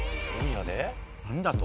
何だと？